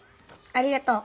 ありがとう。